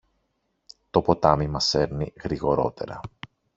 Το ποτάμι μας σέρνει γρηγορώτερα.